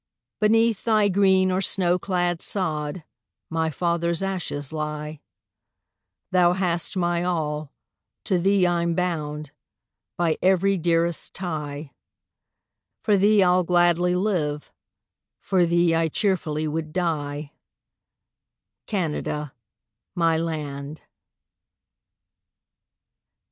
Beneath thy green or snow clad sod My fathers' ashes lie; Thou hast my all, to thee I'm bound By every dearest tie; For thee I'll gladly live, for thee I cheerfully would die, Canada, my land.